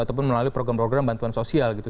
ataupun melalui program program bantuan sosial gitu